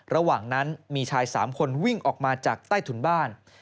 ระหว่างนั้นมีชาย๓คนวิ่งออกมาจากใต้ถุนบ้าน